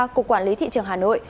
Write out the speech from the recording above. của quản lý thị trường hà nội